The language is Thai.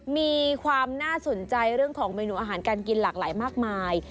มีความน่าสนใจเรื่องของเมนูอาหารการกินหลากหลายมากมาย